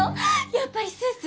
やっぱりスーツ？